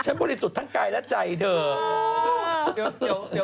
บริสุทธิ์ทั้งกายและใจเธอ